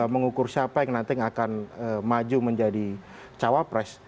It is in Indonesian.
mengukur siapa yang nanti akan maju menjadi cawapres